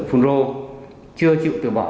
phùng rô chưa chịu từ bỏ